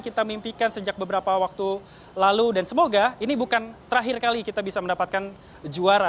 kita mimpikan sejak beberapa waktu lalu dan semoga ini bukan terakhir kali kita bisa mendapatkan juara